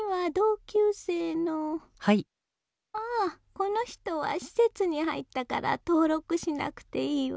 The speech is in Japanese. この人は施設に入ったから登録しなくていいわ。